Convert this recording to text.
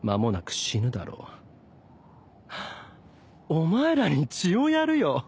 お前らに血をやるよ。